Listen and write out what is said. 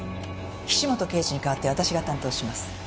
菱本刑事に代わって私が担当します。